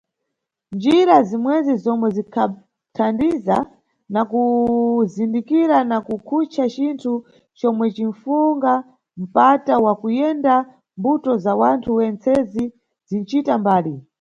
Njira zimwezi zomwe zinʼkanthaniza na kuzindikira na kukhucha cinthu comwe cinʼfunga mpata wa kuyenda mʼmbuto za wanthu wentsezi zinʼcita mbali.